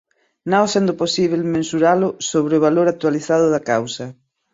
não sendo possível mensurá-lo, sobre o valor atualizado da causa